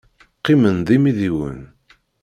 Qqimen d imidiwen.